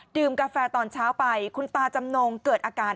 กาแฟตอนเช้าไปคุณตาจำนงเกิดอาการ